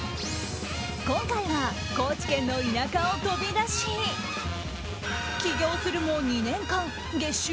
今回は高知県の田舎を飛び出し起業するも２年間月収